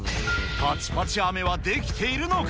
パチパチ飴は出来ているのか。